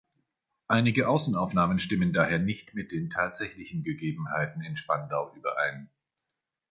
Einige Außenaufnahmen stimmen daher nicht mit den tatsächlichen Gegebenheiten in Spandau überein.